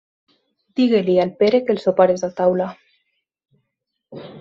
Digue-li al Pere que el sopar és a taula.